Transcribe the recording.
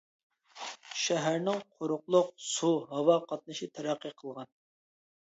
شەھەرنىڭ قۇرۇقلۇق، سۇ، ھاۋا قاتنىشى تەرەققىي قىلغان.